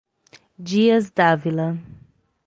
Dias d'Ávila